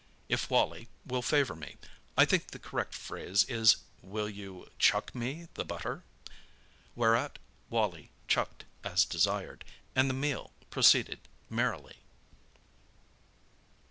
If Wally will favour me—I think the correct phrase is will you 'chuck me the butter?'"—whereat Wally "chucked" as desired, and the meal proceeded merrily.